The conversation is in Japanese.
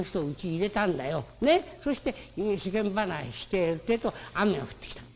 そして世間話してるってえと雨が降ってきたの。